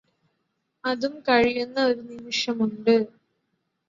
അതും കഴിയുന്ന ഒരു നിമിഷമുണ്ട്